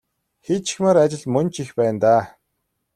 Хийчихмээр ажил мөн ч их байна даа.